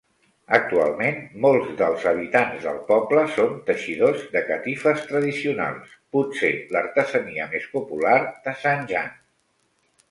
Actualment, molts dels habitants del poble són teixidors de catifes tradicionals, potser l'artesania més popular de Zanjan.